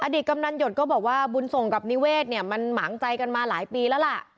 ตกำนันหยดก็บอกว่าบุญส่งกับนิเวศเนี่ยมันหมางใจกันมาหลายปีแล้วล่ะ